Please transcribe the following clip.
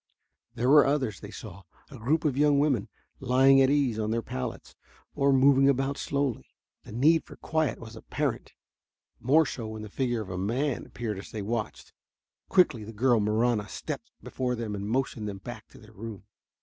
There were others, they saw; a group of young women lying at ease on their pallets, or moving slowly about. The need for quiet was apparent, more so when the figure of a man appeared as they watched. Quickly the girl, Marahna, stepped before them and motioned them back to their room.